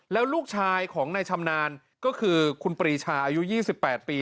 แล้วลูกชายของนายชำนาญก็คือคุณปรีชาอายุ๒๘ปี